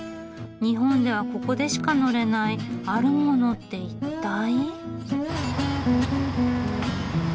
日本ではここでしか乗れない「あるもの」って一体。